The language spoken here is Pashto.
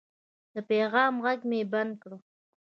د پیغام غږ مې بند کړ.